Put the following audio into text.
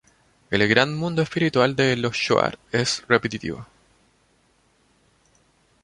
El gran mundo espiritual de los shuar es repetitivo.